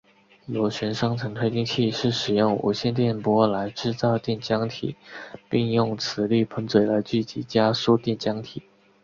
螺旋双层推进器是使用无线电波来制造电浆体并用磁力喷嘴来聚集加速电浆体。